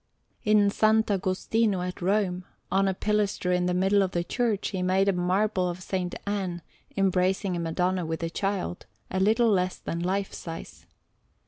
In S. Agostino at Rome, on a pilaster in the middle of the church, he made in marble a S. Anne embracing a Madonna with the Child, a little less than lifesize.